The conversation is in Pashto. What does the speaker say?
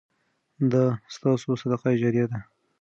دا ستاسو صدقه جاریه ده.